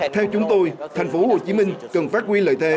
theo chúng tôi thành phố hồ chí minh cần phát huy lợi thế